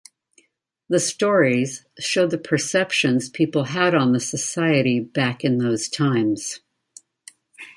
The stories showed the perceptions people had on the society back in those times.